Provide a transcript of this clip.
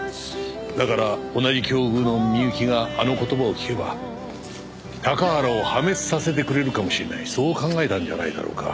だから同じ境遇のみゆきがあの言葉を聞けば高原を破滅させてくれるかもしれないそう考えたんじゃないだろうか。